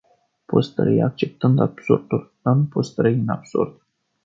Poți trăi acceptînd absurdul, dar nu poți trăi în absurd.